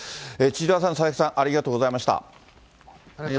千々和さん、佐々木さん、ありがとうございました。